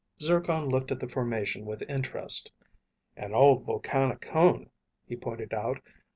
Zircon looked at the formation with interest. "An old volcanic cone," he pointed out.